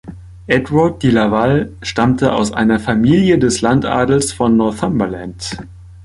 Edward Delaval stammte aus einer Familie des Landadels von Northumberland.